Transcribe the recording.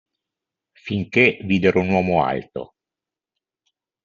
Finchè videro un uomo alto.